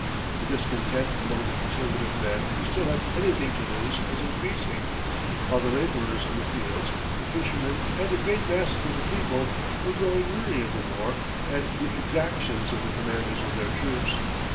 The discontent among the conservative men who still had anything to lose was increasing, while the labourers in the fields, the fishermen, and the great masses of the people were growing weary of the war and the exactions of the commanders of their troops.